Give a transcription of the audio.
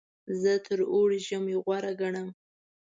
زه تر اوړي ژمی غوره ګڼم.